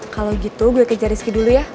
kalau gitu gue kejar rizky dulu ya